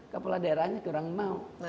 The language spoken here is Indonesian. kepala daerahnya kurang mau